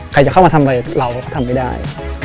ใครจะเข้ามาทำอะไรเราก็ทำไม่ได้